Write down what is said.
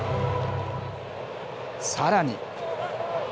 さらに。